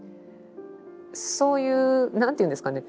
そういう何て言うんですかね